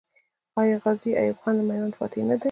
آیا غازي ایوب خان د میوند فاتح نه دی؟